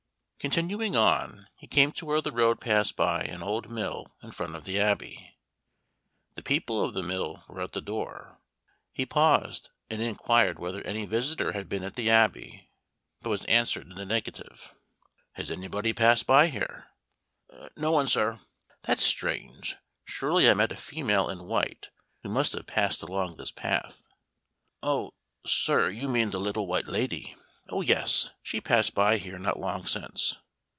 Continuing on, he came to where the road passed by an old mill in front of the Abbey. The people of the mill were at the door. He paused and inquired whether any visitor had been at the Abbey, but was answered in the negative. "Has nobody passed by here?" "No one, sir." "That's strange! Surely I met a female in white, who must have passed along this path." "Oh, sir, you mean the Little White Lady oh, yes, she passed by here not long since."